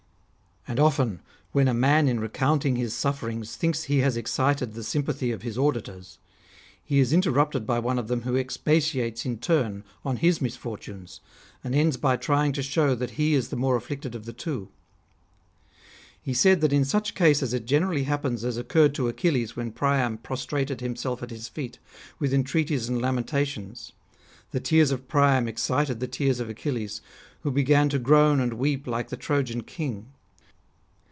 And often, when a man in recounting his sufferings thinks he has excited the sympathy of his auditors, he is inter rupted by one of them who expatiates in turn on his misfortunes, and ends by trying to show that he is the more afflicted of the two. He said that in such cases it generally happens as occurred to Achilles when Priam prostrated himself at his feet, with entreaties and lamen tations. The tears of Priam excited the tears of Achilles, who began to groan and weep like the Trojan king.